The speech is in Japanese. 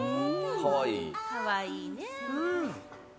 かわいいね。